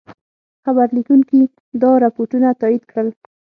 خبرلیکونکي دا رپوټونه تایید کړل.